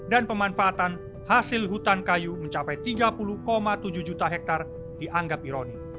dan pemanfaatan hasil hutan kayu mencapai tiga puluh tujuh juta hektar dianggap ironi